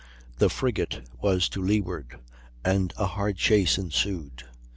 The frigate was to leeward, and a hard chase ensued.